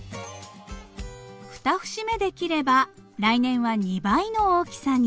２節目で切れば来年は２倍の大きさに。